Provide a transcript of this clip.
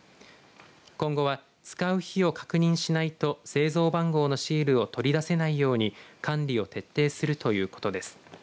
今後は、使う日を確認しないと製造番号のシールを取り出せないように管理を徹底するということです。